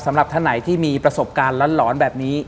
สำหรับท่านไหนที่มีประสบการณ์หลอนแบบนี้